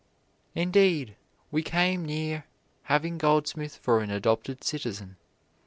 Indeed, we came near having Goldsmith for an adopted citizen.